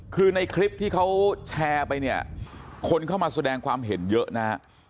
คือในคลิปที่เขาแชร์ไปเนี่ยคนเข้ามาแสดงความเห็นเยอะนะฮะ